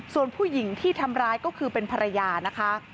ส่วนผู้หญิงที่ทำร้ายก็คือเป็นภรรยานะคะ